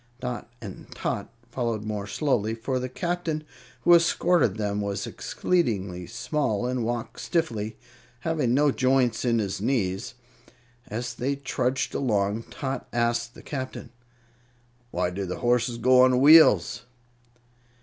Dot and Tot followed more slowly, for the Captain who escorted them was exceedingly small and walked stiffly, having no joints in his knees. As they trudged along Tot asked the Captain: "Why do the horses go on wheels?"